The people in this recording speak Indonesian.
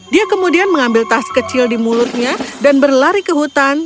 dia kemudian mengambil tas kecil di mulutnya dan berlari ke hutan